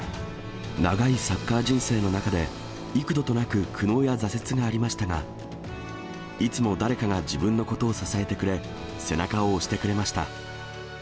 長いサッカー人生の中で、幾度となく苦悩や挫折がありましたが、いつも誰かが自分のことを支えてくれ、背中を押してくれました。